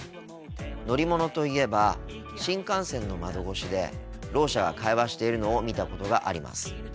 乗り物と言えば新幹線の窓越しでろう者が会話しているのを見たことがあります。